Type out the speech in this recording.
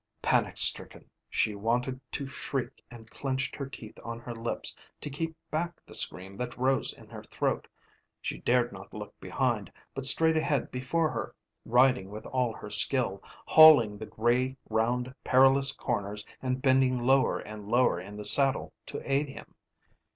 Panic stricken she wanted to shriek and clenched her teeth on her lips to keep back the scream that rose in her throat. She dared not look behind, but straight ahead before her, riding with all her skill, hauling the grey round perilous corners and bending lower and lower in the saddle to aid him.